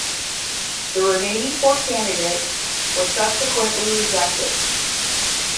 The remaining four candidates were subsequently rejected.